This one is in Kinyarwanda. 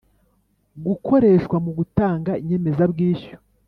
Gukoreshwa mu gutanga inyemezabwishyu